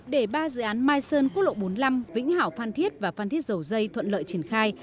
để ba dự án mai sơn quốc lộ bốn mươi năm vĩnh hảo phan thiết và phan thiết dầu dây thuận lợi triển khai